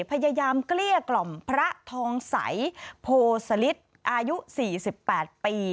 พยายามเกลี้ยกล่อมพระทองสัยโพสลิตอายุสี่สิบแปดปี